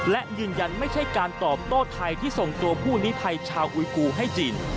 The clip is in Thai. และยืนยันไม่ใช่การตอบโต้ไทยที่ส่งตัวผู้ลิภัยชาวอุยกูให้จีน